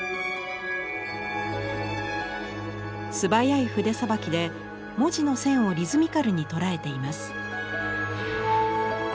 素早い筆さばきで文字の線をリズミカルに捉えています。